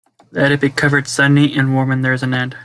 Let it be covered sunny and warm and there is an end.